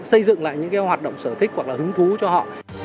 xây dựng lại những hoạt động sở thích hoặc là hứng thú cho họ